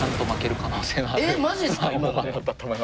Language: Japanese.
えっマジですか！？